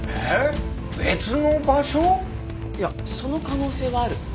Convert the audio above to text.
いやその可能性はある。